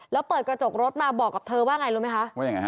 แล้วเปิดกระจกรถมาบอกกับเธอว่าไงรู้ไหมคะ